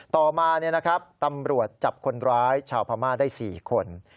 ต่อมาตำรวจจับคนร้ายชาวพม่าได้๔คน